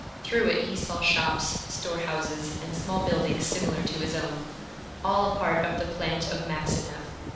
Through it he saw shops, store houses, and small buildings similar to his own, all a part of the plant of Maxineff.